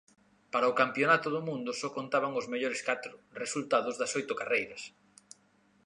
Para o campionato do mundo só contaban os mellores catro resultados das oito carreiras.